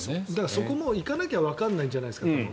そこも行かなきゃわからないじゃないですか。